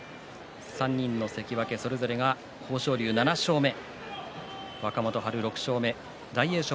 これで６勝２敗３人の関脇それぞれが豊昇龍が７勝目若元春、６勝目大栄